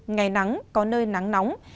ngày nắng có nơi nắng nóng